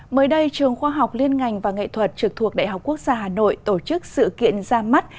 mới đây trường khoa học liên ngành và nghệ thuật trực thuộc đại học quốc gia hà nội tổ chức sự kiện ra mắt